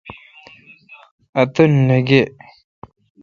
اتن نہ گیہ۔